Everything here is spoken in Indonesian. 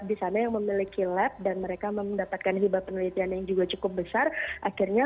di sana yang memiliki lab dan mereka mendapatkan hibah penelitian yang juga cukup besar akhirnya